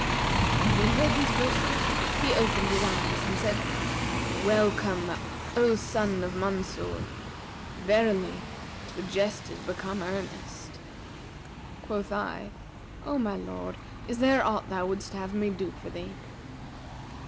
'[FN#343] When he heard these verses he opened his eyes and said; 'Welcome, O son of Mansur! Verily, the jest is become earnest.' Quoth I, 'O my lord, is there aught thou wouldst have me do for thee?'